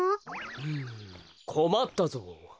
うんこまったぞう。